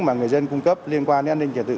mà người dân cung cấp liên quan đến an ninh trật tự